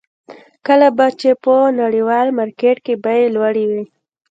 کله به چې په نړیوال مارکېټ کې بیې لوړې وې.